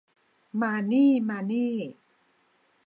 มานี่ มานี่